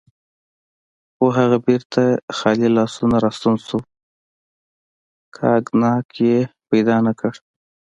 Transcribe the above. خو هغه بیرته خالي لاس راستون شو، کاګناک یې پیدا نه کړ.